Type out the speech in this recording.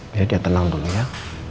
biar dia tenang dulu ya